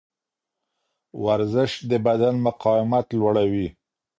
ورزش د بدن مقاومت لوړوي.